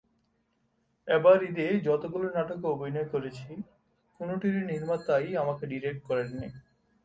এবার ঈদে যতগুলো নাটকে অভিনয় করেছি, কোনোটির নির্মাতাই আমাকে ডিরেক্ট করেননি।